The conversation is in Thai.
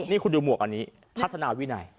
นี่คุณดูหมวกอันนี้พัฒนาวินัย